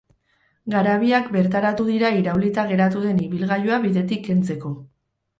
Garabiak bertaratu dira iraulita geratu den ibilgailua bidetik kentzeko.